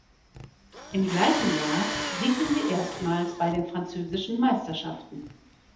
Im gleichen Jahr siegte sie erstmals bei den französischen Meisterschaften.